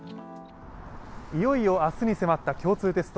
いよいよ明日に迫った共通テスト。